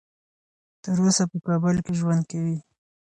تر اوسه په کابل کې ژوند کوي.